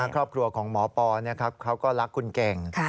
ครอบครัวของหมอปอเขาก็รักคุณเก่ง